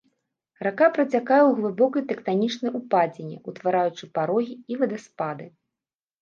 Рака працякае ў глыбокай тэктанічнай упадзіне, утвараючы парогі і вадаспады.